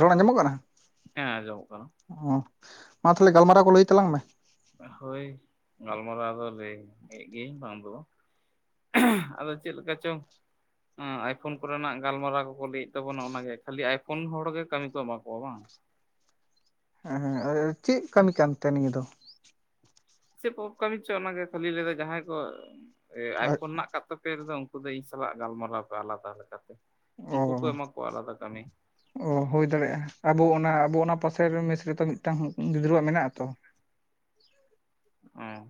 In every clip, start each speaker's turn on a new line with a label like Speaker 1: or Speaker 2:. Speaker 1: ᱨᱚᱲ ᱟᱸᱡᱚᱢᱚᱜ ᱠᱟᱱᱟ?
Speaker 2: ᱦᱮᱸ ᱟᱸᱡᱚᱢᱚᱜ ᱠᱟᱱᱟ ᱾
Speaker 1: ᱚ ᱢᱟ ᱛᱟᱦᱚᱞᱮ ᱜᱟᱞᱢᱟᱨᱟᱣ ᱠᱚ ᱞᱟᱹᱭ ᱛᱟᱞᱟᱝ ᱢᱮ ᱾
Speaker 2: ᱦᱳᱭ ᱜᱟᱞᱢᱟᱨᱟᱣ ᱫᱚ ᱞᱟᱹᱭ ᱞᱟᱹᱭᱮᱜ ᱜᱤᱭᱟᱹᱧ ᱵᱟᱝ ᱫᱚ ᱵᱟᱝ ᱾ [unintelligible] ᱟᱫᱚ ᱪᱮᱫ ᱞᱮᱠᱟ ᱪᱚᱝ ᱦᱚᱸ ᱟᱭ-ᱯᱷᱳᱱ ᱠᱚᱨᱮᱱᱟᱜ ᱜᱟᱞᱢᱟᱨᱟᱣ ᱠᱚᱠᱚ ᱞᱟᱹᱭ ᱮᱫ ᱛᱟᱵᱚᱱᱟ ᱚᱱᱟ ᱜᱮ ᱠᱷᱟᱞᱤ ᱟᱭ-ᱯᱷᱳᱱ ᱦᱚᱲ ᱜᱮ ᱠᱟᱹᱢᱤ ᱠᱚ ᱮᱢᱟ ᱠᱚᱣᱟ ᱵᱟᱝ?
Speaker 1: ᱦᱮᱸ ᱦᱮᱸ ᱪᱮᱫ ᱠᱟᱹᱢᱤ ᱠᱟᱱᱛᱮ ᱱᱤᱭᱟᱹ ᱫᱚ?
Speaker 2: ᱪᱮᱫ ᱠᱚ ᱠᱟᱹᱢᱤ ᱪᱚ ᱚᱱᱟ ᱜᱮ ᱠᱷᱟᱹᱞᱤ ᱞᱟᱹᱭ ᱫᱟᱭ ᱡᱟᱦᱟᱸᱭ ᱠᱚ ᱟᱭ-ᱯᱷᱳᱱ ᱦᱮᱱᱟᱜ ᱠᱟᱜ ᱛᱟᱯᱮ ᱨᱮᱫᱚ ᱩ ᱩᱱᱠᱩ ᱫᱚ ᱤᱧ ᱥᱟᱞᱟᱜ ᱜᱟᱞᱢᱟᱨᱟᱣ ᱯᱮ ᱟᱞᱟᱫᱟ ᱞᱮᱠᱟᱛᱮ, ᱩᱱᱠᱩ ᱠᱚ
Speaker 1: ᱚ
Speaker 2: ᱮᱢᱟ ᱠᱚᱣᱟ ᱟᱞᱟᱫᱟ ᱠᱟᱹᱢᱤ ᱾
Speaker 1: ᱚ ᱦᱩᱭ ᱫᱟᱲᱮᱭᱟᱜ-ᱟ ᱟᱵᱚ ᱚᱱᱟ ᱟᱵᱚ ᱚᱱᱟ ᱯᱟᱥᱮ ᱢᱮᱥ ᱨᱮᱛᱚ ᱢᱤᱫᱴᱟᱝ ᱜᱤᱫᱽᱨᱟᱹᱣᱟᱜ ᱢᱮᱱᱟᱜ-ᱟ ᱛᱚ ᱾
Speaker 2: ᱦᱮᱸ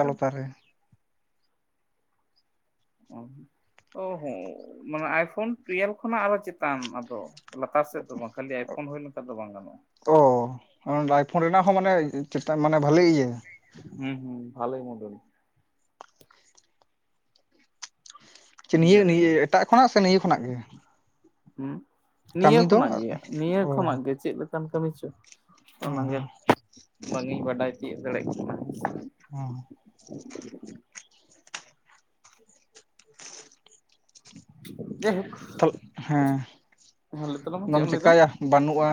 Speaker 2: ᱪᱚᱝ
Speaker 1: ᱨᱮ ᱾
Speaker 2: ᱚ ᱦᱚᱸ ᱢᱟᱱᱮ ᱟᱭ-ᱯᱷᱳᱱ ᱴᱩᱭᱮᱞᱵᱷ ᱠᱷᱚᱱᱟᱜ ᱟᱨᱚ ᱪᱮᱛᱟᱱ ᱟᱫᱚ ᱞᱟᱛᱟᱨ ᱥᱮᱫ ᱫᱚ ᱵᱟᱝ, ᱠᱷᱟᱹᱞᱤ ᱟᱭ-ᱯᱷᱳᱱ ᱦᱩᱭ ᱞᱮᱱᱠᱷᱟᱱ ᱫᱚ ᱵᱟᱝ ᱜᱟᱱᱚᱜ-ᱟ ᱾
Speaker 1: ᱚ, ᱟᱭ-ᱯᱷᱳᱱ ᱨᱮᱱᱟᱜ ᱦᱚᱸ ᱢᱟᱱᱮ ᱪᱮᱛᱟᱱ ᱢᱟᱱᱮ ᱵᱷᱟᱞᱮ ᱤᱭᱟᱹ ᱾
Speaker 2: ᱦᱩᱸ ᱦᱩᱸ ᱵᱷᱟᱞᱮ ᱢᱚᱰᱮᱞ ᱾
Speaker 1: ᱱᱤᱭᱟᱹ
Speaker 2: ᱦᱮᱸ
Speaker 1: ᱱᱤᱭᱟᱹ ᱮᱴᱟᱜ ᱠᱷᱚᱱᱟᱜ ᱥᱮ ᱱᱤᱭᱟᱹ ᱠᱷᱚᱱᱟᱜ ᱜᱮ?
Speaker 2: ᱦᱩᱸ, ᱱᱤᱭᱟᱹ
Speaker 1: ᱠᱟᱹᱢᱤ ᱫᱚ
Speaker 2: ᱠᱷᱚᱱᱟᱜ ᱜᱮᱭᱟ ᱱᱤᱭᱟᱹ
Speaker 1: ᱚ
Speaker 2: ᱠᱷᱚᱱᱟᱜ ᱜᱮ ᱪᱮᱫ ᱠᱟᱱ ᱠᱟᱹᱢᱤ ᱪᱚ ᱚᱱᱟ ᱜᱮ
Speaker 1: ᱦᱚᱸ
Speaker 2: ᱵᱟᱝ ᱤᱧ ᱵᱟᱰᱟᱭ ᱛᱤᱭᱟᱹᱜ ᱫᱟᱲᱮᱜ ᱠᱟᱱᱟ ᱾
Speaker 1: ᱦᱩᱸ ᱾ [inaudible]
Speaker 2: ᱡᱟᱭᱦᱳᱠ᱾
Speaker 1: [unintelligible] ᱦᱮᱸ
Speaker 2: ᱞᱟᱹᱭ ᱛᱟᱞᱟᱝ ᱢᱮ
Speaker 1: ᱟᱫᱚᱢ ᱪᱮᱠᱟᱭᱟ ᱵᱟᱹᱱᱩᱜ-ᱟ᱾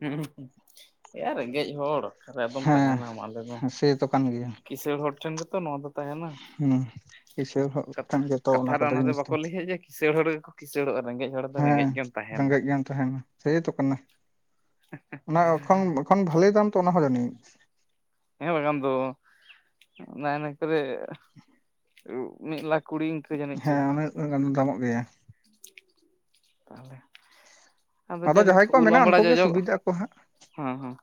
Speaker 2: ᱦᱩᱸ ᱮᱭᱟ ᱨᱮᱸᱜᱮᱡ ᱦᱚᱲ ᱚᱠᱟᱨᱮ ᱟᱫᱚᱢ
Speaker 1: ᱦᱮᱸ
Speaker 2: ᱛᱟᱦᱮᱱᱟ ᱢᱟ ᱟᱞᱮ ᱢᱮ᱾
Speaker 1: ᱥᱮᱛᱚ ᱠᱟᱱ ᱜᱮᱭᱟ
Speaker 2: ᱠᱤᱥᱟᱹᱬ ᱦᱚᱲ ᱴᱷᱮᱱ ᱜᱮᱛᱚ ᱱᱚᱣᱟ ᱫᱚ ᱛᱟᱦᱮᱱᱟ᱾
Speaker 1: ᱦᱩᱸ ᱠᱤᱥᱟᱹᱬ ᱦᱚᱲ
Speaker 2: ᱠᱟᱛᱷᱟ
Speaker 1: ᱴᱷᱮᱱ ᱜᱮᱛᱚ ᱚᱱᱟ
Speaker 2: ᱠᱟᱛᱷᱟ ᱨᱮ
Speaker 1: ᱠᱚᱫᱚ ᱡᱤᱱᱤᱥ ᱫᱚ᱾
Speaker 2: ᱵᱟᱠᱚ ᱞᱟᱹᱭᱟ ᱡᱮ ᱠᱤᱥᱟᱹᱬ ᱦᱚᱲ ᱜᱮᱠᱚ ᱠᱤᱥᱟᱹᱬᱚᱜ-ᱟ ᱨᱮᱸᱜᱮᱡ ᱦᱚᱲ ᱫᱚ ᱨᱮᱸᱜᱮᱡ
Speaker 1: ᱦᱮᱸ
Speaker 2: ᱜᱮᱢ ᱛᱟᱦᱮᱱᱟ᱾
Speaker 1: ᱨᱮᱸᱜᱮᱡ ᱜᱮᱢ ᱛᱟᱦᱮᱱᱟ ᱥᱮᱭ ᱛᱟ ᱠᱟᱱᱟ᱾
Speaker 2: [inaudible]
Speaker 1: ᱚᱱᱟ ᱮᱠᱷ ᱮᱠᱷᱚᱱ ᱵᱷᱟᱞᱮ ᱫᱟᱢ ᱛᱚ ᱚᱱᱟ ᱦᱚᱸ ᱡᱟᱱᱤᱡ᱾
Speaker 2: ᱦᱮᱸ ᱵᱟᱠᱷᱟᱱ ᱫᱚ ᱱᱟᱭ ᱱᱟᱭ ᱠᱚᱨᱮ ᱩ ᱢᱤᱫ ᱞᱟᱠᱷ ᱠᱩᱲᱤ ᱤᱱᱠᱟᱹ ᱡᱟᱹᱱᱤᱡ ᱪᱚ᱾
Speaker 1: ᱦᱮᱸ ᱩᱱᱟᱹᱜ ᱜᱟᱱ ᱫᱟᱢᱚᱜ ᱜᱮᱭᱟ
Speaker 2: ᱛᱟᱦᱚᱞᱮ᱾ ᱟᱫᱚ ᱡᱟᱭ ᱦᱳᱠ
Speaker 1: ᱡᱟᱦᱟᱸᱭ ᱠᱚᱣᱟᱜ
Speaker 2: ᱩᱞ,
Speaker 1: ᱢᱮᱱᱟᱜᱼᱟ
Speaker 2: ᱟᱵᱟᱲᱟ,
Speaker 1: ᱩᱱᱠᱩ ᱜᱮ
Speaker 2: ᱡᱚᱡᱚ
Speaker 1: ᱥᱩᱵᱤᱫᱷᱟᱜ ᱟᱠᱚ ᱦᱟᱸᱜ
Speaker 2: ᱦᱮᱸ ᱦᱮᱸ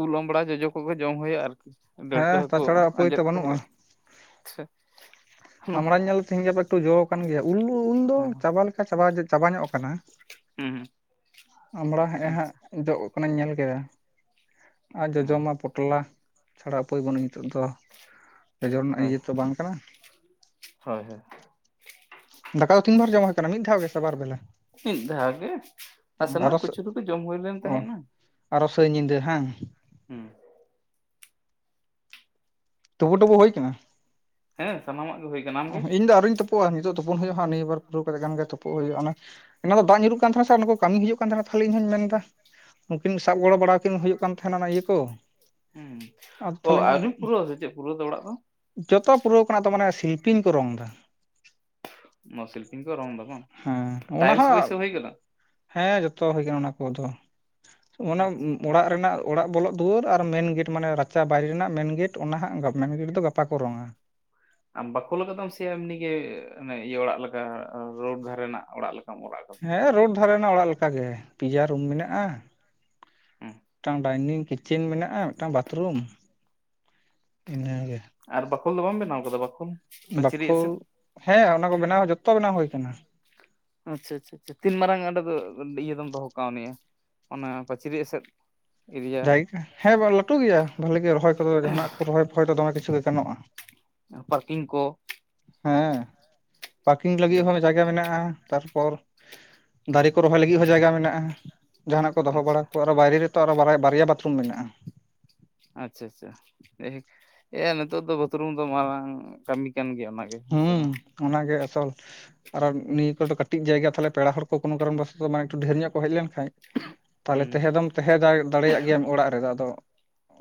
Speaker 2: ᱩᱞ, ᱟᱢᱵᱲᱟ, ᱡᱚᱡᱚ ᱠᱚᱜᱮ ᱡᱚᱢ ᱦᱩᱭᱩᱜ-ᱟ ᱟᱨᱠᱤ᱾ ᱰᱟᱹᱲᱠᱟᱹ
Speaker 1: ᱦᱮᱸ
Speaker 2: ᱦᱟᱹᱠᱩ
Speaker 1: ᱛᱟᱪᱷᱟᱲᱟ ᱩᱯᱟᱹᱭ
Speaker 2: ᱟᱸᱡᱮᱫ
Speaker 1: ᱛᱚ
Speaker 2: ᱠᱚ
Speaker 1: ᱵᱟᱹᱱᱩᱜᱼᱟ
Speaker 2: ᱦᱩᱭᱩᱜ-ᱟ᱾
Speaker 1: ᱟᱢᱵᱲᱟᱧ ᱧᱮᱞ ᱫᱚ ᱛᱮᱦᱮᱧ ᱜᱟᱯᱟ ᱮᱠᱴᱩ ᱡᱚᱸ ᱟᱠᱟᱱ ᱜᱮᱭᱟ, ᱩᱞ ᱩᱞ ᱫᱚ ᱪᱟᱵᱟ ᱞᱮᱠᱟ ᱪᱟᱵᱟ ᱡᱮ ᱪᱟᱵᱟ ᱧᱚᱜ ᱠᱟᱱᱟ᱾
Speaker 2: ᱦᱮᱸ ᱦᱩᱸ
Speaker 1: ᱟᱢᱲᱟ ᱦᱮᱸᱜ-ᱮ ᱦᱟᱸᱜ
Speaker 2: ᱟᱪᱪᱷᱟ
Speaker 1: ᱡᱚᱜ ᱠᱟᱱᱟᱧ ᱧᱮᱞ ᱠᱮᱫᱟ᱾ ᱟᱨ ᱡᱚᱡᱚ
Speaker 2: ᱦᱮᱸ
Speaker 1: ᱢᱟ ᱯᱚᱴᱚᱞᱟ ᱪᱷᱟᱲᱟ ᱩᱯᱟᱹᱭ ᱵᱟᱹᱱᱩᱜ ᱱᱤᱛᱚᱜ ᱫᱚ᱾ ᱡᱚᱡᱚ ᱨᱮᱱᱟᱜ
Speaker 2: ᱦᱳᱭ,
Speaker 1: ᱤᱭᱟᱹ ᱛᱚ ᱵᱟᱝ ᱠᱟᱱᱟ
Speaker 2: ᱦᱳᱭ ᱦᱳᱭ᱾
Speaker 1: ᱫᱟᱠᱟ ᱫᱚ ᱛᱤᱱ ᱵᱟᱨ ᱡᱚᱢ ᱦᱩᱭ ᱟᱠᱟᱱᱟ ᱢᱤᱫ ᱫᱷᱟᱣ ᱜᱮᱥᱮ ᱵᱟᱨ ᱵᱮᱞᱟ?
Speaker 2: ᱢᱤᱫ ᱫᱷᱟᱣ ᱜᱮ,
Speaker 1: ᱟᱨᱚ
Speaker 2: ᱱᱟᱥᱮᱱᱟᱜ ᱠᱚᱪᱩᱲᱤ ᱠᱚ ᱡᱚᱢ ᱦᱩᱭ ᱞᱮᱱ
Speaker 1: ᱚ
Speaker 2: ᱛᱟᱦᱮᱸᱱᱟ᱾
Speaker 1: ᱟᱨᱚ ᱥᱮᱭ ᱧᱤᱫᱟᱹ ᱦᱟᱝ?
Speaker 2: ᱦᱩᱸ᱾
Speaker 1: ᱛᱩᱵᱩ ᱴᱩᱵᱩ ᱦᱩᱭ ᱠᱟᱱᱟ?
Speaker 2: ᱦᱮᱸ ᱥᱟᱱᱟᱢᱟᱜ ᱜᱮ ᱦᱩᱭ ᱠᱟᱱᱟ᱾
Speaker 1: ᱚ
Speaker 2: ᱟᱢᱜᱮ
Speaker 1: ᱤᱧ ᱫᱚ ᱟᱹᱨᱤᱧ ᱛᱩᱯᱩᱜᱼᱟ, ᱱᱤᱛᱳᱜ ᱛᱩᱯᱩᱱ ᱦᱩᱭᱩᱜᱼᱟ ᱦᱟᱸᱜ ᱱᱤᱭᱟᱹ ᱵᱟᱨ ᱯᱩᱨᱟᱹᱣ ᱠᱟᱛᱮᱜ ᱠᱷᱟᱱ ᱜᱮ ᱛᱩᱯᱩᱜ ᱦᱩᱭᱩᱜᱼᱟ ᱚᱱᱟ ᱚᱱᱟ ᱫᱚ ᱫᱟᱜ ᱧᱩᱨᱩᱜ ᱠᱟᱱ ᱛᱟᱦᱮᱱᱟ ᱥᱮ ᱚᱱᱟ ᱠᱚᱢᱤ ᱦᱤᱡᱩᱜ ᱠᱟᱱ ᱛᱟᱦᱮᱱᱟ, ᱛᱟᱦᱞᱮ ᱤᱧᱦᱚᱧ ᱢᱮᱱ ᱫᱟ ᱱᱩᱠᱤᱱ ᱥᱟᱵ ᱜᱚᱲᱚ ᱵᱟᱲᱟ ᱠᱤᱱ ᱦᱩᱭᱩᱜ ᱠᱟᱱ ᱛᱟᱦᱮᱱᱟ ᱚᱱᱟ ᱤᱭᱟᱹ ᱠᱚ
Speaker 2: ᱦᱩᱸ
Speaker 1: ᱟ
Speaker 2: ᱚ
Speaker 1: ᱛᱟᱦᱞᱤᱧ
Speaker 2: ᱟᱹᱣᱨᱤᱢ ᱯᱩᱨᱟᱹᱣᱟ ᱥᱮ ᱪᱮᱫ ᱯᱩᱨᱟᱹᱣ ᱫᱚ ᱚᱲᱟᱜ ᱫᱚ
Speaker 1: ᱡᱚᱛᱚ ᱯᱩᱨᱟᱹᱣ ᱠᱟᱱᱟ ᱟᱫᱚ ᱢᱟᱱᱮ ᱥᱤᱞᱯᱤᱧ ᱠᱚ ᱨᱚᱝ ᱫᱟ᱾
Speaker 2: ᱱᱚᱣᱟ ᱥᱤᱞᱯᱤᱧ ᱠᱚ ᱨᱚᱝ ᱫᱟ ᱵᱟᱝ?
Speaker 1: ᱦᱮᱸ ᱚᱱᱟ
Speaker 2: ᱴᱟᱭᱞᱤᱥ
Speaker 1: ᱦᱚᱸ
Speaker 2: ᱵᱚᱭᱥᱟᱹᱣ ᱦᱩᱭ ᱠᱟᱱᱟ?
Speaker 1: ᱦᱮᱸ ᱡᱷᱚᱛᱚ ᱦᱩᱭ ᱠᱟᱱᱟ ᱚᱱᱟ ᱠᱚᱫᱚ, ᱚᱱᱟ
Speaker 2: ᱟᱪᱪᱷᱟ
Speaker 1: ᱚᱲᱟᱜ ᱨᱮᱱᱟᱜ ᱚᱲᱟᱜ ᱵᱚᱞᱚᱜ ᱫᱩᱣᱟᱹᱨ ᱟᱨ ᱢᱮᱱ ᱜᱮᱴ ᱢᱟᱱᱮ ᱨᱟᱪᱟ ᱵᱟᱭᱨᱮ ᱨᱮᱱᱟᱜ ᱢᱮᱱ ᱜᱮᱴ ᱚᱱᱟ ᱦᱟᱸᱜ ᱜᱟ ᱢᱮᱱᱜᱮᱴ ᱫᱚ ᱜᱟᱯᱟ ᱠᱚ ᱨᱚᱝᱼᱟ᱾
Speaker 2: ᱟᱢ ᱵᱟᱠᱳᱞ ᱠᱟᱫᱟᱢ ᱥᱮ ᱮᱢᱱᱤ ᱜᱮ ᱢᱟᱱᱮ ᱤᱭᱟᱹ ᱚᱲᱟᱜ ᱞᱮᱠᱟ ᱨᱳᱰ ᱫᱷᱟᱨᱮᱱᱟᱜ ᱚᱲᱟᱜ ᱞᱮᱠᱟᱢ ᱚᱲᱟᱜ ᱠᱟᱫᱟ?
Speaker 1: ᱦᱮᱸ ᱨᱳᱰ ᱫᱷᱟᱨᱮᱱᱟᱜ ᱚᱲᱟᱜ ᱞᱮᱠᱟᱜ ᱜᱮ, ᱯᱮᱭᱟ ᱨᱩᱢ ᱢᱮᱱᱟᱜᱼᱟ,
Speaker 2: ᱦᱩᱸ
Speaker 1: ᱢᱤᱫᱴᱟᱝ ᱰᱟᱭᱱᱤᱝ ᱠᱤᱪ ᱪᱤᱱ ᱢᱮᱱᱟᱜᱼᱟ, ᱢᱤᱫᱴᱟᱝ ᱵᱟᱛᱷᱨᱩᱢ ᱤᱱᱟᱹᱜᱮ᱾
Speaker 2: ᱟᱨ ᱵᱟᱠᱷᱳᱞ ᱫᱚ ᱵᱟᱢ ᱵᱮᱱᱟᱣ ᱠᱟᱫᱟ ᱵᱟᱠᱷᱳᱞ? ᱯᱟᱹᱪᱨᱤ
Speaker 1: ᱵᱟᱠᱷᱳᱞ
Speaker 2: ᱮᱥᱮᱫ
Speaker 1: ᱦᱮᱸ ᱚᱱᱟ ᱠᱚ ᱵᱮᱱᱟᱣ ᱡᱷᱚᱛᱚ ᱵᱮᱱᱟᱣ ᱦᱩᱭ ᱟᱠᱟᱱᱟ᱾
Speaker 2: ᱟᱪᱪᱷᱟ ᱟᱪᱪᱷᱟ ᱟᱪᱪᱷᱟ, ᱛᱤᱱ ᱢᱟᱨᱟᱝ ᱚᱸᱰᱮ ᱫᱚ ᱤᱭᱟᱹ ᱫᱚᱢ ᱫᱚᱦᱚ ᱠᱟᱣᱱᱤᱡ-ᱟ? ᱚᱱᱟ ᱯᱟᱹᱪᱨᱤ ᱮᱥᱮᱫ᱾ ᱮᱨᱤᱭᱟ
Speaker 1: ᱡᱟᱭᱜᱟ ᱦᱮᱸ ᱵᱟᱝ ᱞᱟᱹᱴᱩ ᱜᱮᱭᱟ, ᱵᱷᱟᱞᱮ ᱜᱮ ᱨᱚᱦᱚᱭ ᱠᱚᱫᱚ ᱡᱟᱦᱟᱱᱟᱜ ᱠᱚ ᱨᱚᱦᱚᱭ ᱯᱷᱚᱦᱟᱭ ᱫᱚ ᱫᱚᱢᱮ ᱠᱤᱪᱷᱩ ᱜᱮ ᱜᱟᱱᱚᱜᱼᱟ᱾
Speaker 2: ᱟᱨ ᱯᱟᱨᱠᱤᱝ ᱠᱚ?
Speaker 1: ᱦᱮᱸ ᱯᱟᱨᱠᱤᱝ ᱞᱟᱹᱜᱤᱫ
Speaker 2: ᱟᱪᱪᱷᱟ
Speaker 1: ᱦᱚᱸ ᱡᱟᱭᱜᱟ ᱢᱮᱱᱟᱜᱼᱟ᱾ ᱛᱟᱨᱯᱚᱨ ᱫᱟᱨᱮ ᱠᱚ ᱨᱚᱦᱚᱭ ᱞᱟᱹᱜᱤᱫ ᱦᱚᱸ ᱡᱟᱭᱜᱟ ᱢᱮᱱᱟᱜᱼᱟ, ᱡᱟᱦᱟᱱᱟᱜ ᱠᱚ ᱫᱚᱦᱚ ᱵᱟᱲᱟ
Speaker 2: ᱟᱪᱪᱷᱟ
Speaker 1: ᱠᱚ ᱟᱨᱚ ᱵᱟᱭᱨᱮ ᱨᱮ ᱛᱚ ᱟᱨᱚ ᱵᱟᱨᱟ ᱵᱟᱨᱭᱟ ᱵᱟᱛᱷᱨᱩᱢ ᱢᱮᱱᱟᱜᱼᱟ᱾
Speaker 2: ᱟᱪᱪᱷᱟ ᱟᱪᱪᱷᱟ ᱡᱟᱭ ᱦᱳᱠ ᱮᱭᱟ ᱱᱤᱛᱚᱜ ᱫᱚ ᱵᱟᱛᱷᱨᱩᱢ ᱫᱚ ᱢᱟᱨᱟᱝ ᱠᱟᱹᱢᱤ ᱠᱟᱱ ᱜᱮᱭᱟ ᱚᱱᱟ ᱜᱮ᱾
Speaker 1: ᱦᱩᱸ ᱚᱱᱟᱜᱮ ᱟᱥᱚᱞ ᱟᱨᱚ ᱱᱤᱭᱟᱹ ᱠᱚ ᱫᱚ ᱠᱟᱹᱴᱤᱡ ᱡᱟᱭᱜᱟ ᱛᱟᱦᱚᱞᱮ ᱯᱮᱲᱟ ᱦᱚᱲ ᱠᱚ ᱠᱳᱱᱳ ᱠᱟᱨᱚᱱ ᱵᱚᱥᱚ ᱢᱟᱱᱮ ᱮᱠᱴᱩ ᱰᱷᱮᱨ ᱧᱚᱜ ᱠᱚ ᱦᱮᱡ ᱞᱮᱱ ᱠᱷᱟᱡ ᱛᱟᱦᱚᱞᱮ
Speaker 2: ᱦᱩᱸ
Speaker 1: ᱛᱟᱦᱮᱸ ᱫᱚᱢ ᱛᱟᱦᱮᱸ ᱫᱟᱲᱮᱭᱟᱜ ᱜᱮᱭᱟᱢ ᱚᱲᱟᱜ ᱨᱮᱫᱚ ᱟᱫᱚ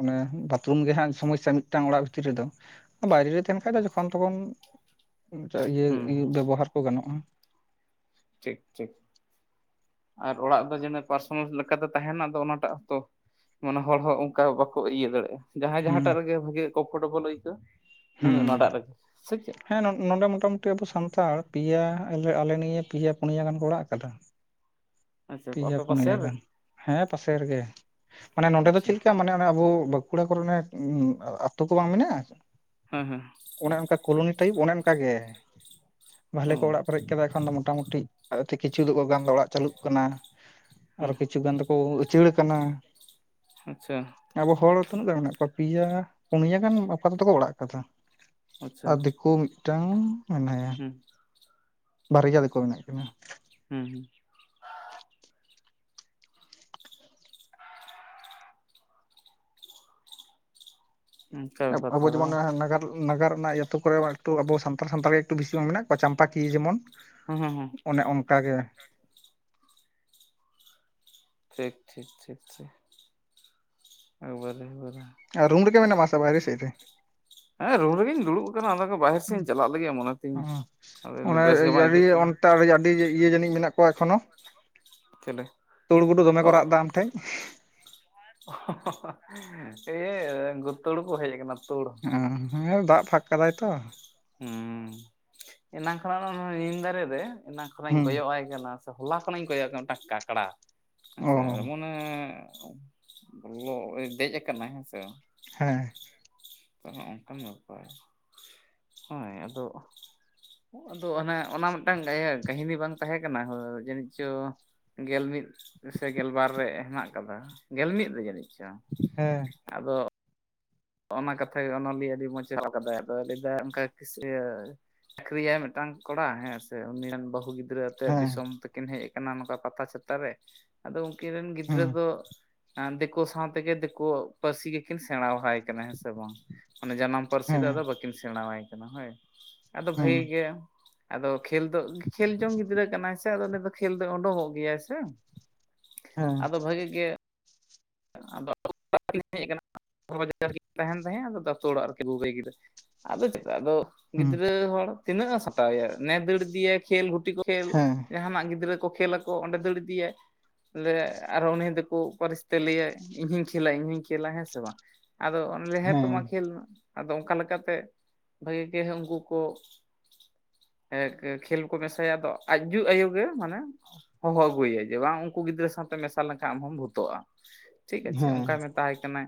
Speaker 1: ᱚᱱᱮ ᱵᱟᱛᱷᱨᱩᱢ ᱜᱮ ᱦᱟᱜ ᱥᱚᱢᱚᱥᱥᱟ ᱢᱤᱫᱴᱟᱝ ᱚᱲᱟᱜ ᱵᱷᱤᱛᱤᱨ ᱨᱮᱫᱚ ᱵᱟᱭᱨᱮ ᱨᱮ ᱛᱟᱦᱮᱱ ᱠᱷᱟᱡ ᱫᱚ ᱡᱚᱠᱷᱚᱱ ᱛᱚᱠᱷᱚᱱ ᱢᱤᱫᱴᱟᱜ ᱤᱭᱟᱹ
Speaker 2: ᱦᱩᱸ
Speaker 1: ᱩᱭᱩᱵ ᱵᱮᱵᱚᱦᱟᱨ ᱠᱚ ᱜᱟᱱᱚᱜᱼᱟ᱾
Speaker 2: ᱴᱷᱤᱠ ᱴᱷᱤᱠ ᱟᱨ ᱚᱲᱟᱜ ᱫᱚ ᱡᱮᱱ ᱯᱟᱨᱥᱚᱱᱟᱞ ᱞᱮᱠᱟᱛᱮ ᱛᱟᱦᱮᱱᱟ ᱟᱫᱚ ᱚᱱᱟᱴᱟᱜ ᱦᱚᱸᱛᱚ ᱢᱟᱱᱮ ᱦᱚᱲ ᱦᱚᱸ ᱚᱱᱠᱟ ᱵᱟᱠᱚ ᱤᱭᱟᱹ ᱫᱟᱲᱮᱜᱼᱟ᱾ ᱡᱟᱦᱟᱸᱭ
Speaker 1: ᱦᱩᱸ
Speaker 2: ᱡᱟᱦᱟᱸᱴᱟᱜ ᱨᱮᱜᱮ ᱵᱷᱟᱹᱜᱮ ᱠᱚᱢᱯᱷᱚᱨᱴᱮᱵᱚᱞ ᱟᱹᱭᱠᱟᱹᱜᱣᱟ ᱩᱱᱤ
Speaker 1: ᱦᱩᱸ
Speaker 2: ᱚᱱᱟᱴᱟᱜ ᱨᱮᱜᱮ, ᱥᱮ ᱪᱮᱫ?
Speaker 1: ᱦᱮᱸ ᱱᱚ ᱱᱚᱰᱮ ᱢᱚᱴᱟ ᱢᱩᱴᱤ ᱟᱵᱚ ᱥᱟᱱᱛᱟᱲ ᱯᱮᱭᱟ ᱟᱞᱮ ᱟᱞᱮ ᱱᱤᱭᱟᱹ ᱯᱮᱭᱟ ᱯᱩᱱᱭᱟ ᱜᱟᱱ ᱠᱚ ᱚᱲᱟᱜ ᱟᱠᱟᱫᱟ᱾
Speaker 2: ᱟᱪᱪᱷᱟ
Speaker 1: ᱯᱮᱭᱟ
Speaker 2: ᱟᱯᱮ
Speaker 1: ᱯᱩᱱᱭᱟ
Speaker 2: ᱯᱟᱥᱮᱨ ᱨᱮ
Speaker 1: ᱜᱟᱱ᱾ ᱦᱮᱸ ᱯᱟᱥᱮ ᱨᱮᱜᱮ᱾ ᱢᱟᱱᱮ ᱱᱚᱸᱰᱮ ᱫᱚ
Speaker 2: ᱟᱪᱪᱷᱟ
Speaker 1: ᱪᱮᱫ ᱞᱮᱠᱟ ᱢᱟᱱᱮ ᱚᱱᱮ ᱟᱵᱳ ᱠᱩᱲᱟ ᱠᱚᱨᱮ ᱚᱱᱮ ᱟᱹᱛᱩ ᱠᱚ ᱵᱟᱝ ᱢᱮᱱᱟᱜᱼᱟ?
Speaker 2: ᱦᱮᱸ ᱦᱮᱸ᱾
Speaker 1: ᱚᱱᱮ ᱚᱱᱠᱟ ᱠᱚᱞᱚᱱᱤ ᱴᱟᱭᱤᱯ ᱚᱱᱮ ᱚᱱᱠᱟ ᱜᱮ᱾ ᱵᱷᱟᱞᱮ
Speaker 2: ᱚ
Speaker 1: ᱠᱚ ᱚᱲᱟᱜ ᱯᱮᱨᱮᱡ ᱠᱮᱫᱟ ᱮᱠᱷᱚᱱ ᱫᱚ ᱢᱚᱴ ᱴᱟ ᱢᱩᱴᱤ ᱟ ᱮᱛᱮ ᱠᱤᱪᱷᱩ ᱫᱚ ᱚ ᱜᱟᱱ ᱫᱚ ᱚᱲᱟᱜ ᱪᱟᱹᱞᱩᱜ ᱠᱟᱱᱟ᱾ ᱟᱨᱚ
Speaker 2: ᱦᱮᱸ
Speaker 1: ᱠᱤᱪᱷᱩ ᱜᱟᱱ ᱫᱚᱠᱚ ᱩᱪᱟᱹᱲ ᱠᱟᱱᱟ᱾
Speaker 2: ᱟᱪᱪᱷᱟ
Speaker 1: ᱟᱵᱚ ᱦᱚᱲ ᱛᱤᱱᱟᱹᱜ ᱜᱟᱱ ᱢᱮᱱᱟᱜ ᱠᱚᱣᱟ ᱯᱮᱭᱟ ᱯᱩᱱᱭᱟᱹ ᱜᱟᱱ ᱵᱟᱯᱟ ᱛᱮᱫᱚ ᱠᱚ ᱚᱲᱟᱜ ᱠᱟᱫᱟ᱾
Speaker 2: ᱟᱪᱪᱷᱟ
Speaker 1: ᱟᱨ ᱫᱤᱠᱩ ᱢᱤᱫᱴᱟᱝ ᱢᱮᱱᱟᱭᱟ᱾
Speaker 2: ᱦᱩᱸ
Speaker 1: ᱵᱟᱨᱭᱟ ᱫᱤᱠᱩ ᱢᱮᱱᱟᱜ ᱠᱤᱱᱟ᱾
Speaker 2: ᱦᱩᱸ ᱦᱩᱸ, ᱚᱱᱠᱟ ᱵᱮᱯᱟᱨ
Speaker 1: ᱟᱵᱚ
Speaker 2: ᱛᱟᱦᱞᱮ
Speaker 1: ᱡᱤᱢᱚᱱ
Speaker 2: ᱵᱟᱝ
Speaker 1: ᱱᱟᱜᱟᱨ ᱱᱟᱜᱟᱨ ᱨᱮᱱᱟᱜ ᱟᱹᱛᱩ ᱠᱚᱨᱮ ᱴᱩ ᱟᱵᱚ ᱥᱟᱱᱛᱟᱲ ᱥᱟᱱᱛᱟᱲ ᱜᱮ ᱮᱠᱴᱩ ᱵᱮᱥᱤ ᱵᱟᱝ ᱢᱮᱱᱟᱜ ᱠᱚᱣᱟ ᱪᱟᱞᱟᱠᱤᱭᱟ ᱡᱮᱢᱚᱱ᱾
Speaker 2: ᱦᱩᱸ ᱦᱩᱸ ᱦᱩᱸ
Speaker 1: ᱚᱱᱮ ᱚᱱᱠᱟ ᱜᱮ᱾
Speaker 2: ᱴᱷᱤᱠ ᱴᱷᱤᱠ ᱴᱷᱤᱠ ᱴᱷᱤᱠ᱾ ᱮᱡᱠᱵᱟᱨᱮ ᱮᱠᱵᱟᱨᱮ᱾
Speaker 1: ᱟᱨ ᱨᱩᱢ ᱨᱮᱜ ᱢᱮᱱᱟᱢᱟ ᱥᱮ ᱵᱟᱦᱨᱮ ᱥᱮᱫ ᱨᱮ?
Speaker 2: ᱦᱮᱸ ᱨᱩᱢ ᱨᱮᱜᱮᱧ ᱫᱩᱲᱩᱵ ᱟᱠᱟᱱᱟ ᱟᱫᱚ ᱵᱟᱦᱮᱨ ᱥᱮᱫ ᱤᱧ ᱪᱟᱞᱟᱜ ᱞᱟᱹᱜᱤᱫ ᱢᱚᱱᱮ ᱛᱤᱧ
Speaker 1: ᱚ
Speaker 2: ᱟᱫᱚ ᱤᱧᱫᱚ
Speaker 1: ᱚᱱᱟ
Speaker 2: ᱵᱮᱥ ᱜᱮ ᱵᱟᱝ
Speaker 1: ᱟᱹᱰᱤ
Speaker 2: ᱟᱹᱭᱠᱟᱹᱜ ᱠᱟᱱᱟ᱾
Speaker 1: ᱚᱱᱛᱮ ᱟᱹᱰᱤ ᱤᱭᱟᱹ ᱡᱟᱹᱱᱤᱡ ᱢᱮᱱᱟᱜ ᱠᱚᱣᱟ, ᱮᱠᱷᱚᱱᱳ
Speaker 2: ᱪᱮᱞᱮ
Speaker 1: ᱛᱩᱲ ᱜᱩᱰᱩ ᱫᱚᱢᱮ
Speaker 2: ᱚ
Speaker 1: ᱠᱚ ᱨᱟᱜ ᱮᱫᱟ ᱟᱢ ᱴᱷᱮᱡ?
Speaker 2: [unintelligible] ᱤᱭᱟᱹ ᱛᱩᱲ ᱠᱚ ᱦᱮᱡ ᱠᱟᱱᱟ᱾
Speaker 1: ᱦᱮᱸ ᱫᱟᱜ ᱯᱷᱟᱸᱠ ᱠᱟᱫᱟᱭ ᱛᱚ᱾
Speaker 2: ᱦᱮᱸ ᱮᱱᱟᱝ ᱠᱷᱚᱱᱟᱜ ᱱᱤᱢ ᱫᱟᱨᱮ ᱨᱮ, ᱮᱱᱟᱝ ᱠᱷᱚᱱᱟᱜ ᱤᱧ
Speaker 1: ᱦᱩᱸ
Speaker 2: ᱠᱚᱭᱚᱜ ᱟᱭ ᱠᱟᱱᱟ᱾ ᱦᱚᱞᱟ ᱠᱷᱚ ᱤᱧ ᱠᱚᱭᱚᱜ ᱭᱮ ᱠᱟᱱᱟ ᱢᱤᱫᱴᱟᱝ ᱠᱟᱠᱲᱟ
Speaker 1: ᱚ
Speaker 2: ᱦᱮᱸᱥᱮ ᱮᱢᱚᱱ ᱦᱮᱸ ᱵᱚᱞᱚ ᱫᱮᱡ ᱟᱠᱟᱱᱟᱭ ᱦᱮᱸᱥᱮ᱾
Speaker 1: ᱦᱮᱸ
Speaker 2: ᱛᱚ ᱱᱚᱜ-ᱚ ᱱᱚᱝᱠᱟᱱ ᱵᱮᱯᱟᱨ᱾ ᱦᱳᱭ ᱟᱫᱚ, ᱟᱫᱚ ᱚᱱᱮ ᱚᱱᱟ ᱢᱤᱫᱴᱟᱝ ᱤᱭᱟᱹ ᱠᱟᱹᱦᱤᱱᱤ ᱵᱟᱝ ᱛᱟᱦᱮᱸ ᱠᱟᱱᱟ ᱦᱚᱸ ᱡᱟᱹᱱᱤᱡ ᱪᱚ ᱜᱮᱞ ᱢᱤᱫ ᱥᱮ ᱜᱮᱞ ᱵᱟᱨ ᱨᱮ ᱦᱮᱱᱟᱜ ᱠᱟᱫᱟ ᱜᱮᱞ ᱢᱤᱫ ᱨᱮ ᱡᱟᱹᱱᱤᱡ ᱪᱚᱝ᱾
Speaker 1: ᱦᱮᱸ,
Speaker 2: ᱟᱫᱚ, ᱚᱱᱟ ᱠᱟᱛᱷᱟ ᱜᱮ ᱚᱱᱚᱞᱤᱭᱟᱹ ᱟᱹᱰᱤ ᱢᱚᱡᱽ ᱮ ᱚᱞ ᱟᱠᱟᱫᱟᱭ ᱟᱫᱚ ᱞᱟᱹᱭᱫᱟᱭ ᱚᱱᱠᱟ ᱠᱤᱥᱤᱭᱟᱹ ᱪᱟᱹᱠᱨᱤᱭᱟᱭ ᱢᱤᱫᱴᱟᱝ ᱠᱚᱲᱟ ᱦᱮᱸ ᱥᱮ ᱩᱱᱤ ᱨᱮᱱ ᱵᱟᱹᱦᱩ ᱜᱤᱫᱽ ᱜᱤᱫᱽᱨᱟᱹ ᱟᱛᱮᱜ
Speaker 1: ᱦᱮᱸ
Speaker 2: ᱫᱤᱥᱚᱢ ᱛᱮᱠᱤᱱ ᱦᱮᱡ ᱠᱟᱱᱟ ᱱᱚᱝᱠᱟ ᱯᱟᱛᱟ ᱪᱷᱟᱛᱟ ᱨᱮ ᱟᱫᱚ ᱩᱱᱠᱤᱱ ᱨᱮᱱ ᱜᱤᱫᱽᱨᱟᱹ
Speaker 1: ᱦᱩᱸ
Speaker 2: ᱫᱚ, ᱫᱤᱠᱳ ᱥᱟᱸᱶᱛᱮᱜᱮ ᱫᱤᱠᱳ ᱯᱟᱹᱨᱥᱤ ᱜᱮᱠᱤᱱ ᱥᱮᱬᱟᱦᱟᱭ ᱠᱟᱱᱟ ᱦᱮᱸ ᱥᱮ ᱵᱟᱝ? ᱚᱱᱮ ᱡᱟᱱᱟᱢ ᱯᱟᱹᱨᱥᱤ ᱫᱚ ᱟᱫᱚ
Speaker 1: ᱦᱮᱸ
Speaker 2: ᱵᱟᱹᱠᱤᱱ ᱥᱮᱬᱟᱣᱟᱭ ᱠᱟᱱᱟ ᱦᱳᱭ ᱟᱫᱚ
Speaker 1: ᱦᱩᱸ
Speaker 2: ᱵᱷᱟᱹᱜᱤ ᱜᱮ, ᱟᱫᱚ ᱠᱷᱮᱞ ᱫᱚ ᱠᱷᱮᱞ ᱡᱚᱝ ᱜᱤᱫᱽᱨᱟᱹ ᱠᱟᱱᱟᱭ ᱥᱮ ᱟᱫᱚ ᱩᱱᱤ ᱫᱚ ᱠᱷᱮᱞ ᱫᱚᱭ ᱩᱰᱩᱝᱚᱜ ᱜᱮᱭᱟᱭ ᱥᱮ᱾
Speaker 1: ᱦᱮᱸ
Speaker 2: ᱟᱫᱚ ᱵᱷᱟᱜᱤ ᱜᱮ, [inaudible] ᱛᱟᱦᱮᱱ ᱛᱟᱦᱮᱸᱫ [inaudible] ᱟᱫᱚ ᱪᱮᱫ ᱟᱫᱚ
Speaker 1: ᱦᱩᱸ
Speaker 2: ᱜᱤᱫᱽᱨᱟᱹ ᱦᱚᱲ ᱛᱤᱱᱟᱹᱜ-ᱮ ᱥᱟᱛᱟᱣᱮᱭᱟ ᱱᱮ ᱫᱟᱹᱲ ᱤᱫᱤᱭᱟᱭ ᱠᱷᱮᱞ ᱜᱩᱴᱤ ᱠᱚ ᱠᱷᱮᱞ
Speaker 1: ᱦᱮᱸ
Speaker 2: ᱡᱟᱦᱟᱱᱟᱜ ᱜᱤᱫᱽᱨᱟᱹ ᱠᱚ ᱠᱷᱮᱞᱟ ᱠᱚ ᱚᱸᱰᱮ ᱫᱟᱹᱲ ᱤᱫᱤᱭᱟᱭ ᱞᱮ ᱟᱨ ᱩᱱᱤ ᱫᱚᱠᱚ ᱯᱟᱨᱤᱥ ᱛᱮ ᱞᱟᱹᱭᱟᱭ ᱤᱧ ᱦᱩᱧ ᱠᱷᱮᱞᱟ ᱤᱧ ᱦᱩᱧ ᱠᱷᱮᱞᱟ ᱦᱮᱸ ᱥᱮ ᱵᱟᱝ, ᱟᱫᱚ ᱚᱱᱮ ᱞᱟᱹᱭᱟᱭ ᱦᱮᱸ ᱛᱚ ᱢᱟ ᱠᱷᱮᱞ ᱢᱮ᱾ ᱟᱫᱚ ᱚᱱᱠᱟ ᱞᱮᱠᱟᱛᱮ ᱵᱷᱟᱜᱮ ᱜᱮ ᱩᱱᱠᱩ ᱠᱚ ᱮ ᱠᱷᱮᱞ ᱠᱚ ᱢᱮᱥᱟᱭᱟ ᱟᱫᱚ ᱟᱡ ᱡᱩ ᱟᱭᱳ ᱜᱮ ᱢᱟᱱᱮ ᱦᱚᱦᱚ ᱟᱹᱜᱩᱭᱟᱭ ᱡᱮ ᱵᱟᱝ ᱩᱱᱠᱩ ᱜᱤᱫᱽᱨᱟᱹ ᱥᱟᱶᱛᱮ ᱢᱮᱥᱟ ᱞᱮᱱᱠᱷᱟᱱ ᱟᱢ ᱦᱚᱢ ᱵᱷᱩᱛᱩᱚᱜᱼᱟ᱾ ᱴᱷᱤᱠ
Speaker 1: ᱦᱮᱸ
Speaker 2: ᱟᱪᱷᱮ
Speaker 1: ᱦᱮᱸ
Speaker 2: ᱚᱱᱠᱟᱭ ᱢᱮᱛᱟ ᱦᱟᱭ ᱠᱟᱱᱟᱭ,